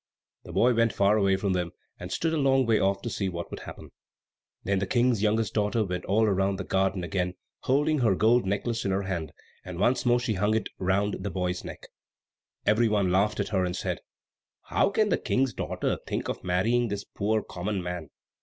The boy went far away from them, and stood a long way off to see what would happen. Then the King's youngest daughter went all round the garden again, holding her gold necklace in her hand, and once more she hung it round the boy's neck. Every one laughed at her and said, "How can the King's daughter think of marrying this poor, common man!"